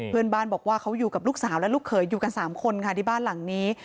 เพื่อนบ้านบอกว่าเขาอยู่กับลูกสาวและลูกเขยอยู่กัน๓คนค่ะที่บ้านหลังนี้